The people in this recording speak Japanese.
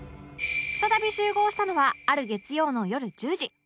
再び集合したのはある月曜の夜１０時